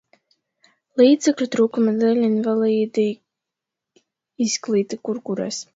Līdzekļu trūkuma dēļ, invalīdi izklīda kur kurais.